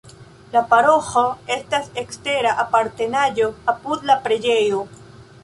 La paroĥo estas ekstera apartenaĵo apud la preĝejo.